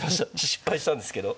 失敗したんですけど。